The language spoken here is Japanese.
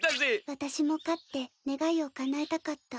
私も勝って願いをかなえたかった。